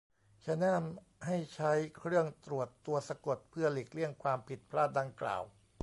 ฉันแนะนำให้ใช้เครื่องตรวจตัวสะกดเพื่อหลีกเลี่ยงความผิดพลาดดังกล่าว